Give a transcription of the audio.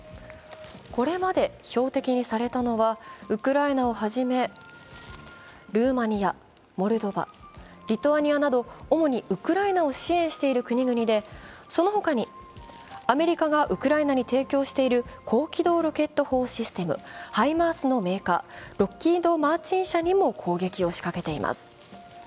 これまで標的にされたのはウクライナをはじめルーマニアやモルドバ、リトアニアなど、主にウクライナを支援している国々で、そのほかにアメリカがウクライナに提供している高機動ロケット砲システム・ハイマースのメーカー、ロッキード・マーチン社にも攻撃を仕掛けています。